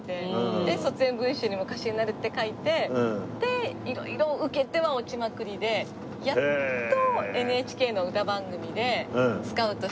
で卒園文集にも歌手になるって書いて色々受けては落ちまくりでやっとＮＨＫのなんていう番組？